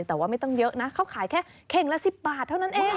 แต่ว่าไม่ต้องเยอะนะเขาขายแค่เข่งละ๑๐บาทเท่านั้นเอง